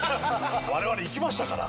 我々行きましたから。